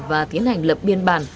và tiến hành lập biên bản